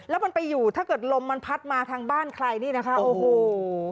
แล้วมันไปอยู่ถ้าเกิดลมมันพัดมาทางบ้านใครนี่นะคะโอ้โห